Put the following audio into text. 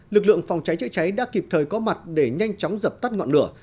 lực lượng phòng cháy chữa cháy đã kịp thời có mặt để nhanh chóng dập tắt ngọn lửa